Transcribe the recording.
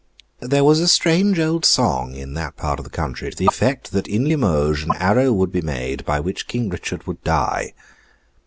There was a strange old song in that part of the country, to the effect that in Limoges an arrow would be made by which King Richard would die.